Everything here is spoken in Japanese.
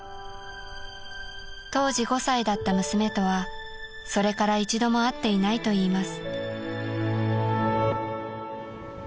［当時５歳だった娘とはそれから一度も会っていないといいます］